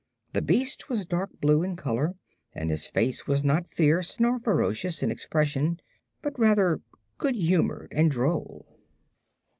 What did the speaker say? The beast was dark blue in color and his face was not fierce nor ferocious in expression, but rather good humored and droll.